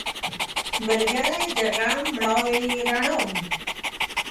ملګری د غم مړاوې رڼا وي